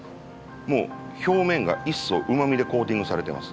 もう表面が１層うまみでコーティングされてます。